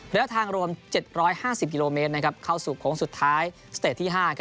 ระยะทางรวม๗๕๐กิโลเมตรเข้าสู่โค้งสุดท้ายสเตจที่๕